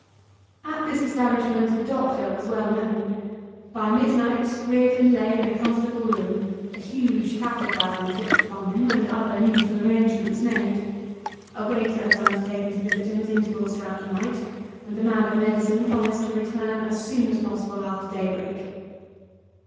At this establishment the doctor was well known. By midnight Reardon lay in a comfortable room, a huge cataplasm fixed upon him, and other needful arrangements made. A waiter had undertaken to visit him at intervals through the night, and the man of medicine promised to return as soon as possible after daybreak.